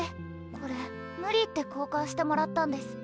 これ無理言ってこうかんしてもらったんです。